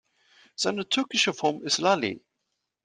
Seine türkische Form ist "Lale".